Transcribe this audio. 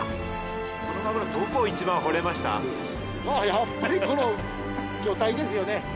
やっぱりこの魚体ですよね。